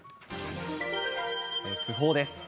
訃報です。